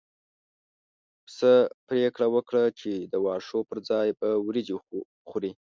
پسه پرېکړه وکړه چې د واښو پر ځای به وريجې خوري.